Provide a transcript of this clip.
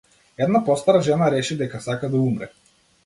Една постара жена реши дека сака да умре.